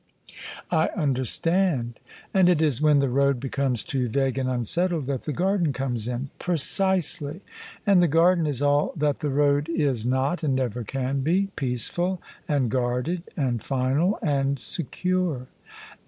'^ I understand. And it is when the road becomes too vague and unsettled that the garden comes in." " Precisely. And the garden is all that the road is not and never can be — ^peaceful and guarded and final and secure."